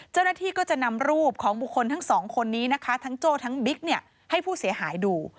เจ้าหน้าที่ก็จะนำรูปของบุคคลทั้งสองคนนี้นะคะทั้งโจ้ทั้งบิ๊กเนี่ยให้ผู้เสียหายดู